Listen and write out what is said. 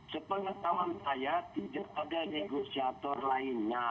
sepengetahuan saya tidak ada negosiator lainnya